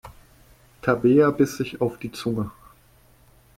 Tabea biss sich auf die Zunge.